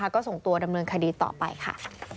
ก็ส่งตัวดำเนินคดีต่อไปค่ะ